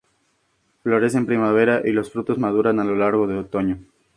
Florece en primavera y los frutos maduran a lo largo del otoño.